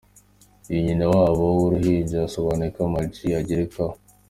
Uyu nyina wabo wuruhinja, yasobanuye ko Ama G agerekaho.